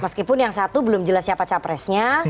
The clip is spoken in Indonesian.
meskipun yang satu belum jelas siapa capresnya